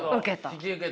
引き受けた。